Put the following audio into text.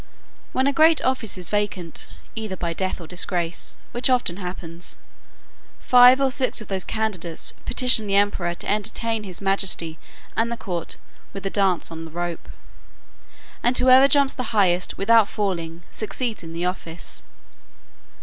When a great office is vacant, either by death or disgrace (which often happens,) five or six of those candidates petition the emperor to entertain his majesty and the court with a dance on the rope; and whoever jumps the highest, without falling, succeeds in the office.